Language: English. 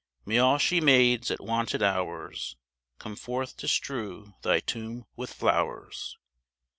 May all shie maids at wonted hours Come forth to strew thy tombe with flowers!